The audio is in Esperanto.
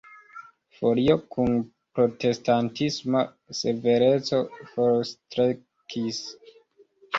Folio kun protestantisma severeco forstrekis.